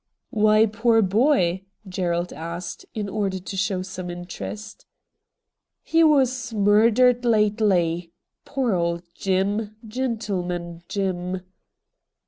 ' Why poor boy ?' Gerald asked, in order to show some interest. ' He was murdered lately — poor old Jim — Gentleman Jim